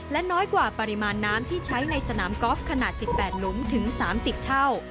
และน้อยกว่าปริมาณน้ำที่ใช้ในสนามกอล์ฟขนาด๑๘หลุมถึง๓๐เท่า